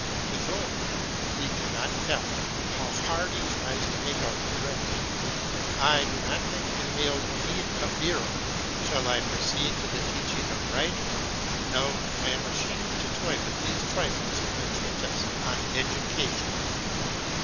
With whom? He cannot tell how hard he tries to make out the rest! I do not think Emile will need a "bureau." Shall I proceed to the teaching of writing? No, I am ashamed to toy with these trifles in a treatise on education.